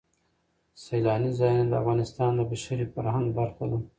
سیلاني ځایونه د افغانستان د بشري فرهنګ برخه ده.